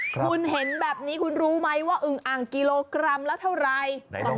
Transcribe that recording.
คุณเห็นแบบนี้คุณรู้ไหมว่าอึงอ่างกิโลกรัมละเท่าไร